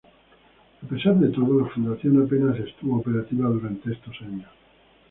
A pesar de todo, la Fundación apenas estuvo operativa durante estos años.